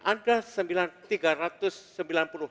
ada tiga ratus sembilan puluh delapan rumah